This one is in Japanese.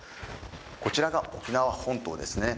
こちらが沖縄本島ですね。